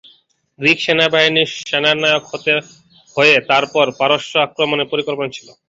Greek বাহিনীর সেনানায়ক হয়ে তারপর পারস্য আক্রমণের পরিকল্পনা ছিল।